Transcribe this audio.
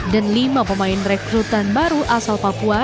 dan lima pemain rekrutan baru asal papua